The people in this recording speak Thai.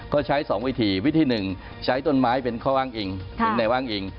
ก็ใช้๒วิธีวิธีหนึ่งใช้ต้นไม้เป็นข้ออ้างอิงเป็นนายว่างอิง